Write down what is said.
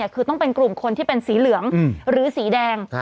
คือต้องเป็นกลุ่มคนที่เป็นสีเหลืองหรือสีแดง